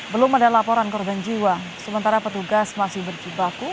belum ada laporan korban jiwa sementara petugas masih berjibaku